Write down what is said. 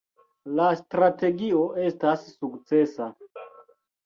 La strategio estas sukcesa.